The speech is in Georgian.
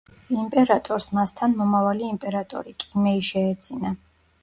იმპერატორს მასთან მომავალი იმპერატორი, კიმეი შეეძინა.